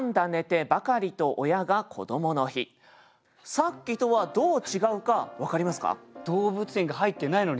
さっきとはどう違うか分かりますか？